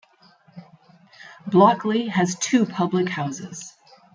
Blockley has two public houses.